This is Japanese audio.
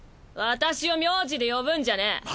私を名字で呼ぶんじゃねぇ。